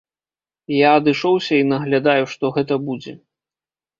Я адышоўся і наглядаю, што гэта будзе.